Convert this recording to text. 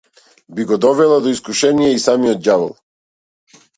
Би го довела до искушение и самиот ѓавол.